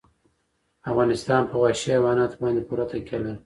افغانستان په وحشي حیواناتو باندې پوره تکیه لري.